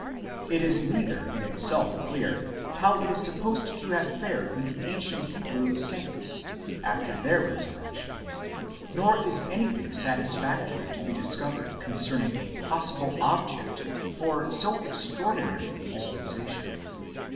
It is neither in itself clear how it is supposed to have fared with these ancient Hebrew "saints, dyious,!® after their resurrec tion ; 17 nor is anything satisfactory to be discovered concerning a possible object for so extraordinary a dispensation.!